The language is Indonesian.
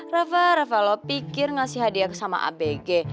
rafa rafa lo pikir ngasih hadiah ke sama abg